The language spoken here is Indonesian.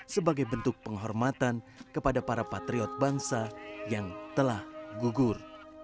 sebagai bentuk penghormatan kepada para patriot bangsa yang telah gugur